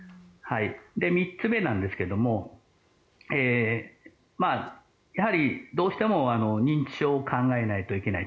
３つ目なんですがやはり、どうしても認知症を考えないといけないと。